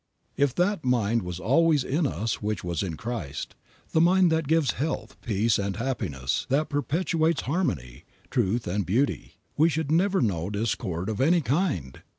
If that mind was always in us which was in Christ, the mind that gives health, peace and happiness, that perpetuates harmony, truth and beauty, we should never know discord of any kind.